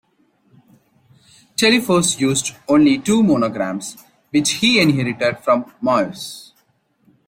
Telephos used only two monograms, which he inherited from Maues.